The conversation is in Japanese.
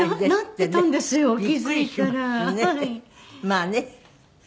まあね。